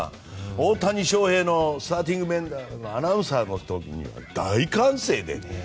大谷翔平のスターティングメンバーのアナウンスでも大歓声で。